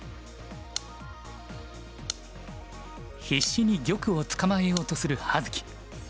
必死に玉を捕まえようとする葉月。